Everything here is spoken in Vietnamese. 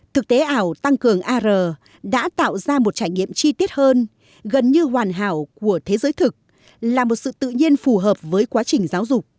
thực tế ảo tăng cường ar đã tạo ra một trải nghiệm chi tiết hơn gần như hoàn hảo của thế giới thực là một sự tự nhiên phù hợp với quá trình giáo dục